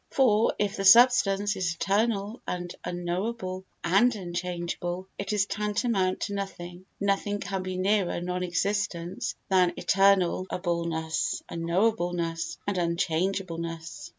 For, if the substance is eternal and unknowable and unchangeable, it is tantamount to nothing. Nothing can be nearer non existence than eternal unknowableness and unchangeableness.